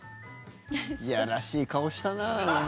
いやらしい顔したな！